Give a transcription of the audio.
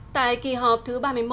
tại kỳ họp thứ ba mươi một